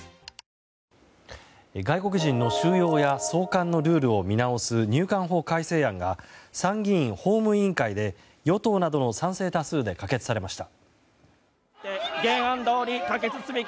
外国人の収容や送還のルールを見直す入管法改正案が参議院法務委員会で与党などの賛成多数で可決されました。